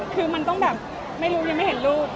คือมันต้องแบบไม่รู้ยังไม่เห็นรูป